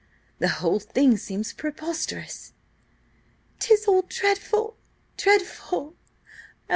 The whole thing seems preposterous!" "'Tis all dreadful!–dreadful!